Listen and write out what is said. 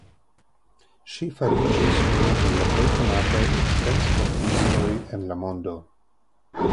Ŝi fariĝis unu el la plej konataj ekstremsportistoj en la mondo.